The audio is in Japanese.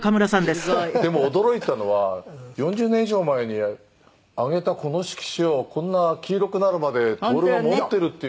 すごい」「でも驚いたのは４０年以上前にあげたこの色紙をこんな黄色くなるまで徹が持っているっていう」